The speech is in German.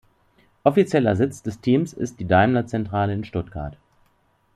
Offizieller Sitz des Teams ist die Daimler-Zentrale in Stuttgart.